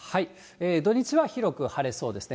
土日は広く晴れそうですね。